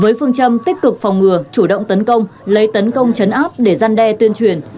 với phương châm tích cực phòng ngừa chủ động tấn công lấy tấn công chấn áp để gian đe tuyên truyền